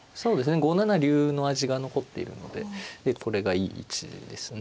５七竜の味が残っているのでこれがいい位置ですね。